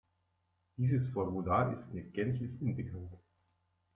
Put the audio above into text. Dieses Formular ist mir gänzlich unbekannt.